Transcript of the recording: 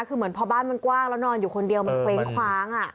คือเหมือนพอบ้านมันกว้างแล้วนอนอยู่คนเดียวมันเคว้งคว้าง